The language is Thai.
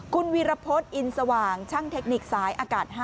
คุณวีรพฤษอินสว่างช่างเทคนิคสายอากาศ๕